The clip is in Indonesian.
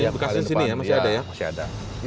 bekasnya masih ada ya